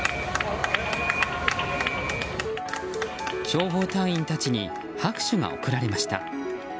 消防隊員たちに拍手が送られました。